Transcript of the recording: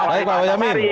baik pak wajahmin